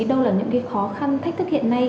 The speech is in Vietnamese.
đâu là những khó khăn thách thức hiện nay